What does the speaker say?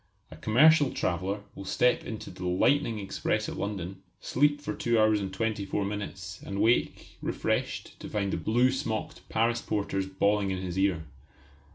A commercial traveller will step into the lightning express at London, sleep for two hours and twenty four minutes and wake, refreshed, to find the blue smocked Paris porters bawling in his ear.